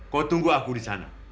kau tunggu aku disana